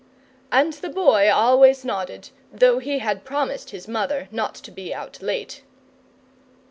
And the Boy always nodded, though he had promised his mother not to be out late.